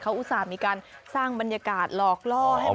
เขาอุตส่าห์มีการสร้างบรรยากาศหลอกล่อให้เหมือนจริง